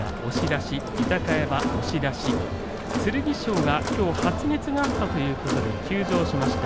剣翔はきょう発熱があったということで休場しました。